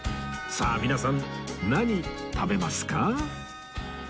さあ皆さん何食べますか？